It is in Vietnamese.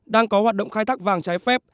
đang có hoạt động khai thác vàng trái phép